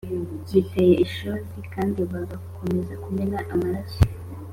biteye ishozi b kandi mugakomeza kumena amaraso